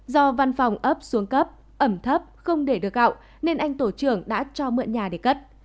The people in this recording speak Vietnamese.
do văn phòng ấp xuống cấp ẩm thấp không để được gạo nên anh tổ trưởng đã cho mượn nhà để cất